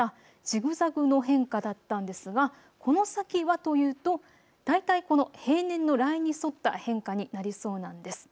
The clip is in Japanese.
ジグザグの変化だったんですがこの先はというと大体この平年のラインに沿った変化になりそうなんです。